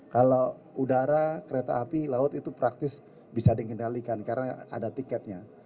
kalau udara kereta api laut itu praktis bisa dikendalikan karena ada tiketnya